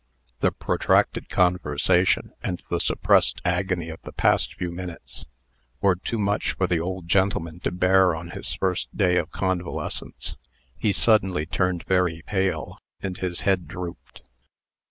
The protracted conversation, and the suppressed agony of the past few minutes, were too much for the old gentleman to bear on his first day of convalescence. He suddenly turned very pale, and his head drooped.